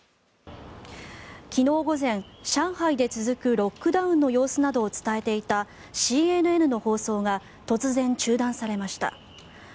昨日午前、上海で続くロックダウンの様子などを伝えていたＣＮＮの放送が突然、中断されました。